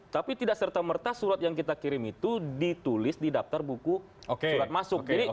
tapi tidak serta merta surat yang kita kirim itu ditulis di daftar buku surat masuk